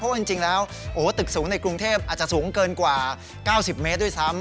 ว่าจริงแล้วตึกสูงในกรุงเทพอาจจะสูงเกินกว่า๙๐เมตรด้วยซ้ำ